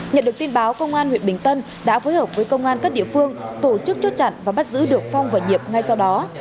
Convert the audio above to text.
nhận được tin báo công an huyện bình tân đã phối hợp với công an các địa phương tổ chức chốt chặn và bắt giữ được phong và nhiệp ngay sau đó